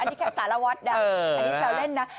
อันนี้แค่สารวัตต์อันนี้เปล่าเล่นนะ